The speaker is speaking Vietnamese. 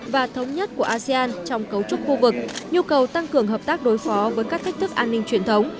và thống nhất của asean trong cấu trúc khu vực nhu cầu tăng cường hợp tác đối phó với các thách thức an ninh truyền thống